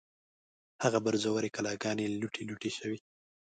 هغه برجورې کلاګانې، لوټې لوټې شوې